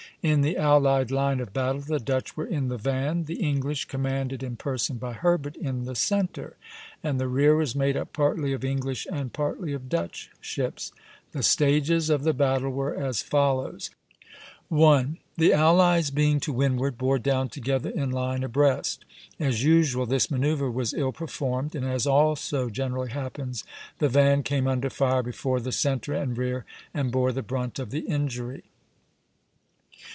In the allied line of battle the Dutch were in the van; the English, commanded in person by Herbert, in the centre; and the rear was made up partly of English and partly of Dutch ships. The stages of the battle were as follows: 1. The allies, being to windward, bore down together in line abreast. As usual, this manoeuvre was ill performed, and as also generally happens, the van came under fire before the centre and rear, and bore the brunt of the injury.